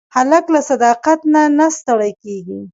هلک له صداقت نه نه ستړی کېږي.